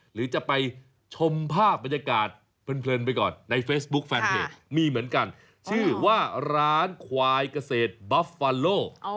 หรือจะไปชมภาพบรรยากาศเพลินไปก่อนในเฟซบุ๊คแฟนเพจมีเหมือนกันชื่อว่าร้านควายเกษตรบัฟฟาโล